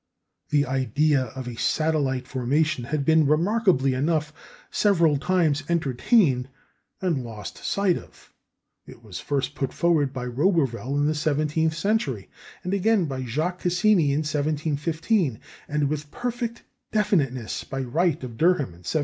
This idea of a satellite formation had been, remarkably enough, several times entertained and lost sight of. It was first put forward by Roberval in the seventeenth century, again by Jacques Cassini in 1715, and with perfect definiteness by Wright of Durham in 1750.